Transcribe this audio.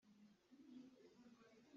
Bamhnak kan herh.